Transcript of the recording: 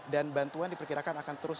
dan bantuan diperkirakan akan terus